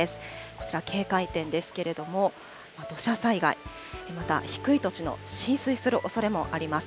こちら、警戒点ですけれども、土砂災害、また低い土地の浸水するおそれもあります。